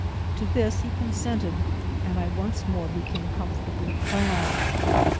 To this he consented, and I once more became comfortably clad.